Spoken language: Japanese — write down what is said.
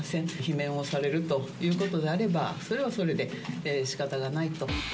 罷免をされるということであれば、それはそれで、しかたがないと。